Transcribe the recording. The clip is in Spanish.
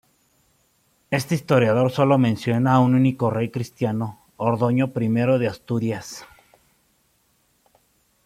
Este historiador solo menciona a un único rey cristiano, Ordoño I de Asturias.